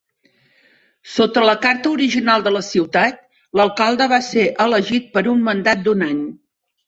Sota la carta original de la ciutat, l'alcalde va ser elegit per un mandat d'un any.